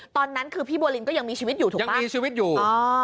ตอนนั้นคือพี่บัวลินก็ยังมีชีวิตอยู่ถูกไหมยังมีชีวิตอยู่